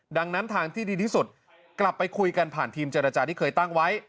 ดังนั้นทางที่ดีที่สุดกลับไปคุยกันผ่านทีมเจรจาที่เคยตั้งไว้